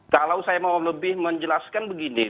kalau saya mau lebih menjelaskan begini